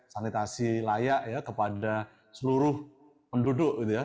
sanitasi layak ya kepada seluruh penduduk